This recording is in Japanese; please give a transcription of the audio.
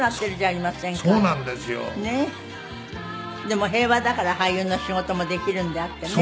でも平和だから俳優の仕事もできるんであってね。